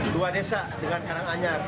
dua desa dengan karanganyar